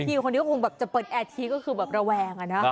คนนี้ก็คงแบบจะเปิดแอร์ทีก็คือแบบระแวงอะนะ